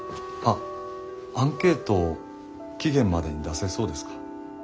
あっアンケート期限までに出せそうですか？